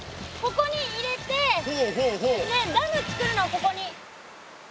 ここに入れてダムつくるのここに。